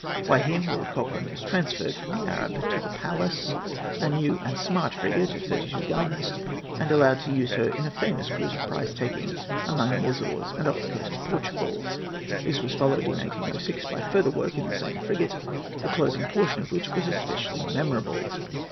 By him Lord Cochrane was transferred from the Arab to the Pallas, a new and smart frigate of thirty two guns, and allowed to use her in a famous cruise of prize taking among the Azores and off the coast of Portugal. This was followed in 1806 by farther work in the same frigate, the closing portion of which was especially memorable.